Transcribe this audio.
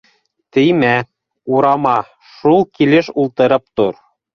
— Теймә, урама, шул килеш ултырып тор.